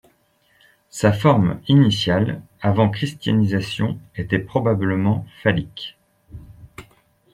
Sa forme initiale, avant christianisation, était probablement phallique.